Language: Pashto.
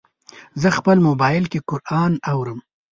زه خپل موبایل کې قرآن اورم.